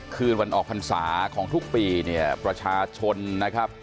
คือวันออกภัณฑ์ศาสตร์ของทุกปีเนี่ยประชาชนนะครับ